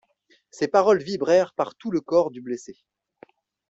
Ces paroles vibrèrent par tout le corps du blessé.